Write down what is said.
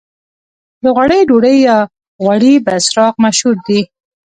د غوړیو ډوډۍ یا غوړي بسراق مشهور دي.